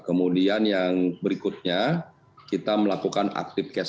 oke kemudian yang berikutnya kita melakukan aktif cashback